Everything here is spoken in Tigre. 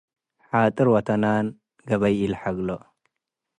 ሓጥር ወተናን ገበይ ኢልሐግሎ።